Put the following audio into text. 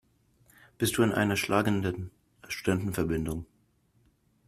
Bist du in einer schlagenden Studentenverbindung?